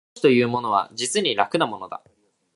教師というものは実に楽なものだ